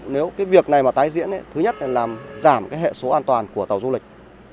nếu cái việc này mà tái diễn thứ nhất là giảm hệ số an toàn của tàu du lịch